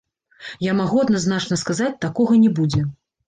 Я магу адназначна сказаць, такога не будзе.